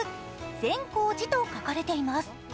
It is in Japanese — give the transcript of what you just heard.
「善光寺」と書かれています。